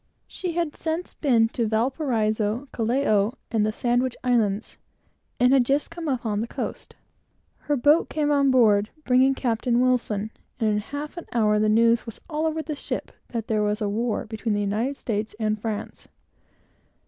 She had since been to Valparaiso, Callao, and the Sandwich Islands, and had just come upon the coast. Her boat came on board, bringing Captain Wilson; and in half an hour the news was all over the ship that there was a war between the United States and France.